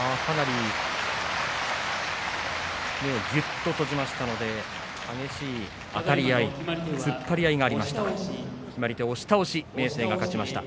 かなり目をぎゅっと閉じましたので激しいあたり合い突っ張り合いがありました。